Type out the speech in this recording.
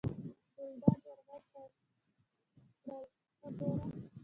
ګلداد ور غږ کړل: ته ګوره.